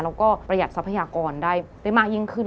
แล้วก็ประหยัดทรัพยากรได้มากยิ่งขึ้น